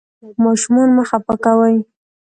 ماشومان مه خفه کوئ.